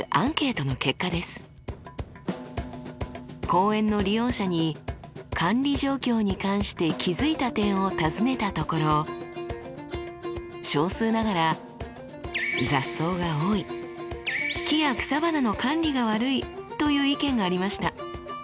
公園の利用者に管理状況に関して気付いた点を尋ねたところ少数ながら雑草が多い木や草花の管理が悪いという意見がありました。